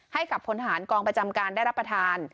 ให้กับพลทหารกองประจำการได้รับประทาน